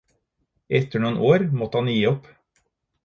Etter noen år måtte han gi opp.